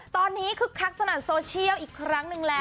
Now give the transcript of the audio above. ตอนนี้คึกคักสนั่นโซเชียลอีกครั้งหนึ่งแล้ว